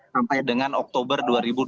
sampai dengan oktober dua ribu dua puluh